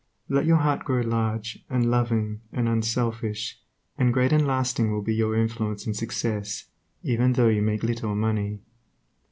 Let your heart grow large and loving and unselfish, and great and lasting will be your influence and success, even though you make little money.